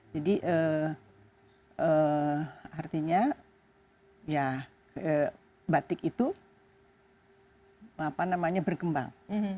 jadi artinya batik itu berkembang